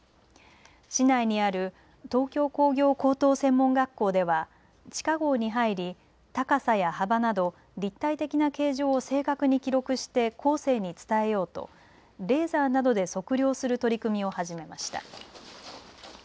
市内にある東京工業高等専門学校では地下ごうに入り高さや幅など立体的な形状を正確に記録して後世に伝えようとレーザーなどで測量する取り組みを始めました。